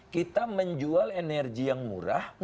kita menjual energi yang murah